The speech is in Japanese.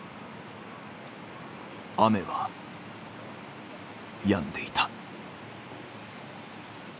雨はやんでいた。